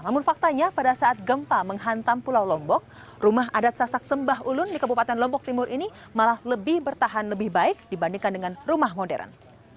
namun faktanya pada saat gempa menghantam pulau lombok rumah adat sasak sembah ulun di kabupaten lombok timur ini malah lebih bertahan lebih baik dibandingkan dengan rumah modern